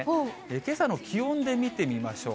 けさの気温で見てみましょう。